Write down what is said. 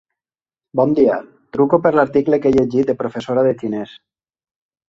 Bon dia, truco per l'article que he llegit de professora de xinès.